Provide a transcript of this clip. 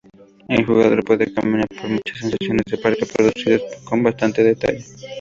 El jugador puede caminar por muchas secciones del parque, reproducidas con bastante detalle.